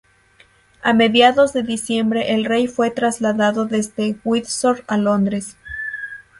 A mediados de diciembre el rey fue trasladado desde Windsor a Londres.